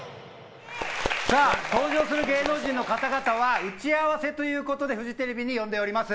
登場する芸能人の方々は打ち合わせということでフジテレビに呼んでおります。